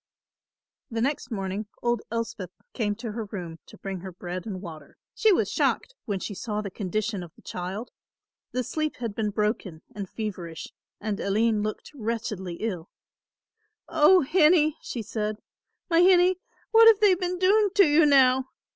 The next morning old Elspeth came to her room to bring her bread and water. She was shocked when she saw the condition of the child. The sleep had been broken and feverish and Aline looked wretchedly ill. "O hinnie," she said, "my hinnie, what have they been doing to you now?